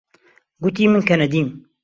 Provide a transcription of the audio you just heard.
گوتی من کەنەدیم.